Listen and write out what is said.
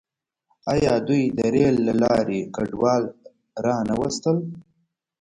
آیا دوی د ریل له لارې کډوال را نه وستل؟